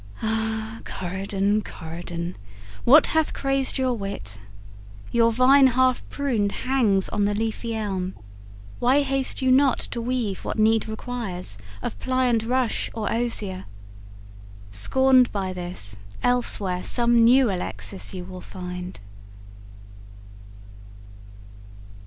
Ah! Corydon, Corydon, what hath crazed your wit? Your vine half pruned hangs on the leafy elm; Why haste you not to weave what need requires Of pliant rush or osier? Scorned by this, Elsewhere some new Alexis you will find."